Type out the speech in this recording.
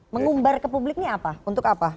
mengumbar ke publik ini apa untuk apa